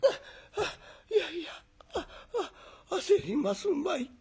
いやいやはあはあ焦りますまい。